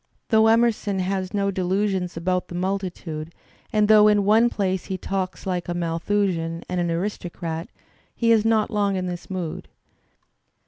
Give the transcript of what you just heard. Though Emer son has no delusions about the multitude, and though in one place he talks like a Malthusian and an aristocrat'*' he is not long in this mood.